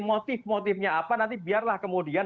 motif motifnya apa nanti biarlah kemudian